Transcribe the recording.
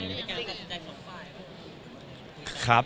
เป็นจัดอ